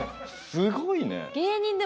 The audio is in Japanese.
すごいね。